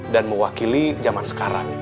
dan mewakili zaman sekarang